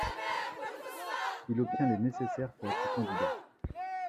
Il obtient les nécessaires pour être candidat.